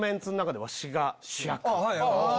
はい。